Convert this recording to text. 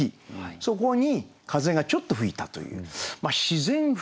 そこに風がちょっと吹いたという自然諷詠。